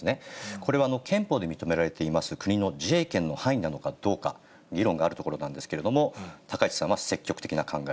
これは憲法で認められている国の自衛権の範囲なのかどうか、議論があるところなんですけれども、高市さんは積極的な考え。